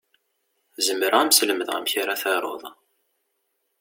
Zemreɣ ad m-slemdeɣ amek ara taruḍ.